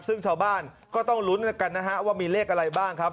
ซึ่งชาวบ้านก็ต้องลุ้นกันนะฮะว่ามีเลขอะไรบ้างครับ